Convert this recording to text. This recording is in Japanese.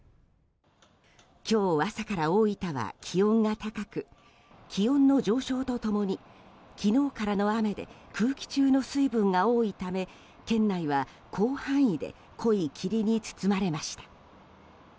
今日朝から大分は気温が高く気温の上昇と共に昨日からの雨で空気中の水分が多いため県内は広範囲で濃い霧に包まれました。